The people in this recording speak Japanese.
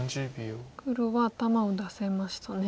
黒は頭を出せましたね。